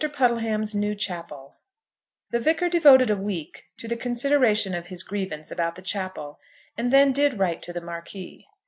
PUDDLEHAM'S NEW CHAPEL. The Vicar devoted a week to the consideration of his grievance about the chapel, and then did write to the Marquis.